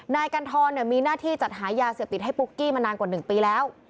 นายกัณฑรมีหน้าที่จัดหายาเสพติดให้ปุ๊กกี้มานานกว่า๑ปีแล้ว